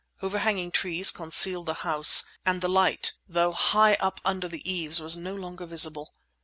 Overhanging trees concealed the house, and the light, though high up under the eaves, was no longer visible.